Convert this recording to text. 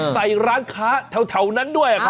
ใส่ร้านค้าเท่านั้นด้วยอะครับ